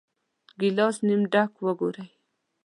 ګیلاس نیم ډک وګورئ.